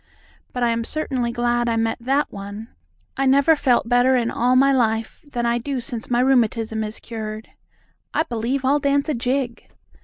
But I am certainly glad I met that one. I never felt better in all my life than I do since my rheumatism is cured. I believe I'll dance a jig."